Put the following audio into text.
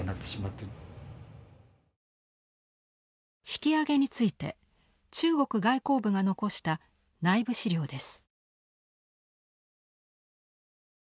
引き揚げについて中国外交部が残した内部資料です。